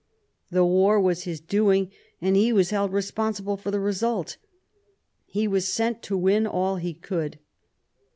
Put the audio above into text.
The war was his doing, and he was held responsible for the result ; he was sent to win all that he could.